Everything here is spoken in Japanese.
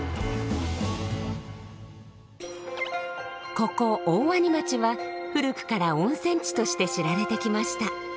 ここ大鰐町は古くから温泉地として知られてきました。